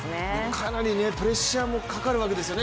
かなりプレッシャーもかかるわけですよね